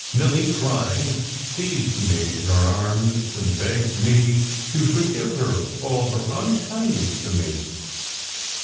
Milly, crying, seized me in her arms and begged me to forgive her for all her unkindness to me.